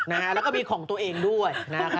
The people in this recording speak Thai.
แล้วก็มีของตัวเองด้วย